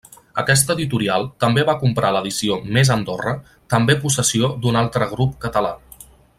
Aquesta editorial també va comprar l'edició Més Andorra, també possessió d'un altre grup català.